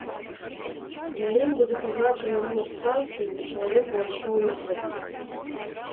На ім будзе пазначаны нумар станцыі, дзе чалавек увайшоў у метро.